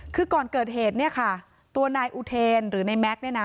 คือก่อนเกิดเหตุเนี่ยค่ะตัวนายอุเทนหรือในแม็กซ์เนี่ยนะ